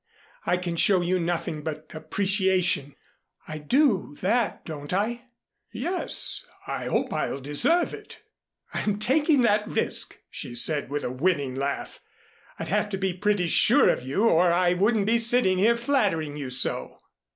I can show you nothing but appreciation. I do that, don't I?" "Yes I hope I'll deserve it." "I'm taking that risk," she said, with a winning laugh. "I'd have to be pretty sure of you, or I wouldn't be sitting here flattering you so."